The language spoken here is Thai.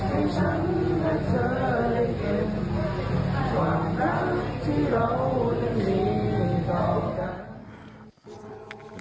ให้ฉันและเธอได้เห็นความรักที่เรานั้นมีต่อกัน